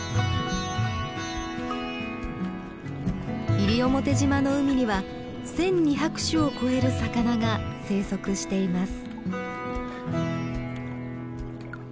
西表島の海には１，２００種を超える魚が生息しています。